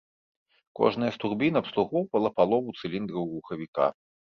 Кожная з турбін абслугоўвала палову цыліндраў рухавіка.